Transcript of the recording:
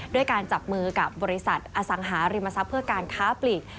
ด้วยการจับมือกับบริษัทอสังหาริมทรัพย์เพื่อการค้าปลีก